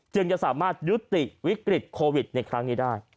จะสามารถยุติวิกฤตโควิดในครั้งนี้ได้